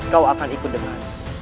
kau akan ikut dengan